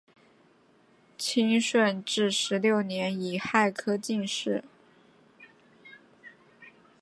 清顺治十六年己亥科进士。